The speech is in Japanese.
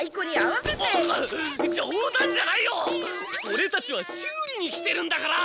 オレたちは修理に来てるんだから！